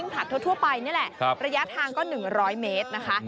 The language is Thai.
ผลัดทั่วไปนี่แหละระยะทางก็๑๐๐เมตรนะคะ